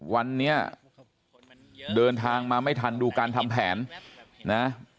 วันนี้เดินทางมาไม่ทันดูการทำแผนนะ